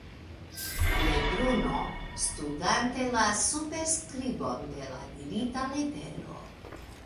Lebruno, studante la superskribon de la dirita letero.